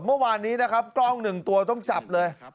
เมื่อวานนี้นะครับกล้องหนึ่งตัวต้องจับเลย